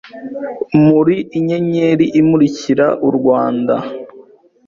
Muri inyenyeri imurikira u Rwanda,